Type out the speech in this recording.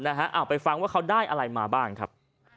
เอาไปฟังว่าเขาได้อะไรมาบ้างครับ